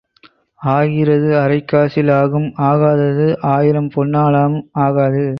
ஆகிறது அரைக் காசில் ஆகும் ஆகாதது ஆயிரம் பொன்னாலும் ஆகாது.